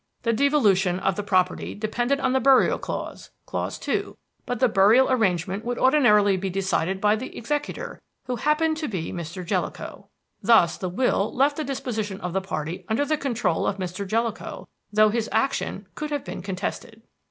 The devolution of the property depended on the burial clause clause two; but the burial arrangement would ordinarily be decided by the executor, who happened to be Mr. Jellicoe. Thus the will left the disposition of the property under the control of Mr. Jellicoe, though his action could have been contested.